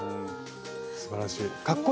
すばらしい。